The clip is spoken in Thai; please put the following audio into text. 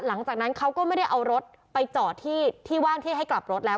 หลังจากนั้นเขาก็ไม่ได้เอารถไปจอดที่ว่างที่ให้กลับรถแล้ว